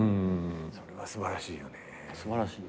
それは素晴らしいよね。